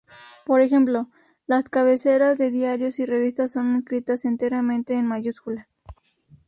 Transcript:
Por ejemplo, las cabeceras de diarios y revistas son escritas enteramente en mayúsculas.